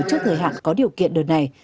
trước thời hạn có điều kiện đợt này